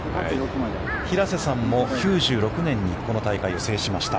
平瀬さんも９６年にこの大会を制しました。